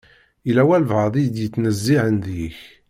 Yella walebɛaḍ i d-ittnezzihen deg-k.